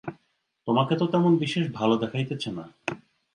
তোমাকে তো তেমন বিশেষ ভালো দেখাইতেছে না।